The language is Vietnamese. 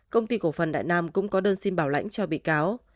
công ty cổ phần đại nam cũng có đơn xin bảo lãnh cho bị cáo